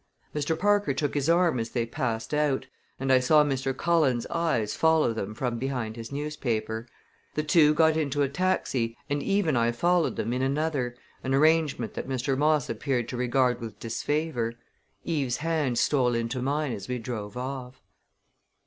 Mr. Parker took his arm as they passed out, and I saw Mr. Cullen's eyes follow them from behind his newspaper. The two got into a taxi and Eve and I followed them in another, an arrangement that Mr. Moss appeared to regard with disfavor. Eve's hand stole into mine as we drove off.